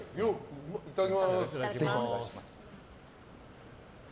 いただきます。